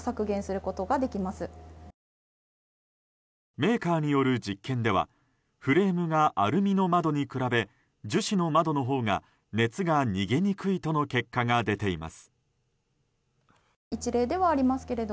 メーカーによる実験ではフレームがアルミの窓に比べ樹脂窓のほうが熱が逃げにくいとの結果が出ています。